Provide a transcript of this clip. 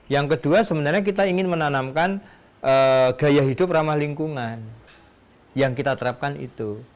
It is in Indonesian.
yang kedua sebenarnya kita ingin menanamkan gaya hidup ramah lingkungan yang kita terapkan itu